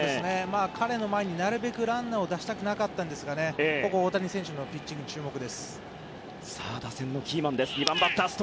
彼の前になるべくランナーを出したくなかったんですが大谷選手のピッチングに注目です。